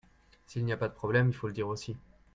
S'il n'y a pas de problème il faut le dire aussi.